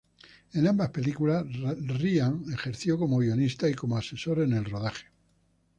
En ambas películas Ryan ejerció como guionista y como asesor en el rodaje.